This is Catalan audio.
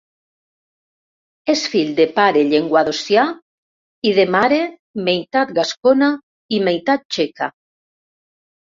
És fill de pare llenguadocià i de mare meitat gascona i meitat txeca.